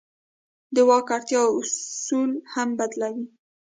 د واک اړتیا اصول هم بدلوي.